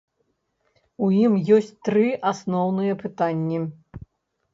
У ім ёсць тры асноўныя пытанні.